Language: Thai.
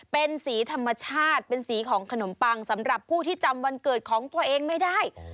เป็นสีธรรมชาติเป็นสีของขนมปังสำหรับผู้ที่จำวันเกิดของตัวเองไม่ได้